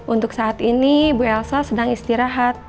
untuk saat ini ibu elsa sedang istirahat